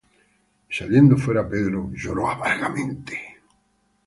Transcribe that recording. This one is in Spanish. Y saliendo fuera Pedro, lloró amargamente.